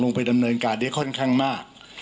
ไปดำเนินการได้ค่อนข้างมาก